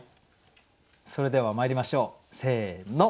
それではまいりましょうせの。